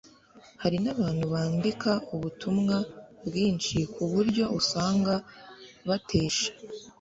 hari n'abantu bandika ubutumwa bwinshi ku buryo usanga batesha